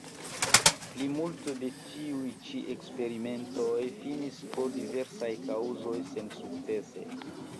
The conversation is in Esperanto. Plimulto de tiuj ĉi eksperimentoj finis pro diversaj kaŭzoj sensukcese.